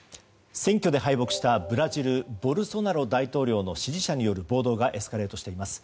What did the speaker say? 選挙で敗北したブラジルのボルソナロ大統領による支持者による暴動がエスカレートしています。